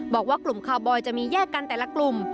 บอกว่ากลุ่มคาวบอยจะมีแยกกันแต่ละกลุ่ม